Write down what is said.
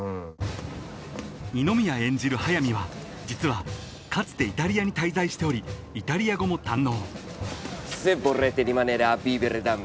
［二宮演じる速水は実はかつてイタリアに滞在しておりイタリア語も堪能］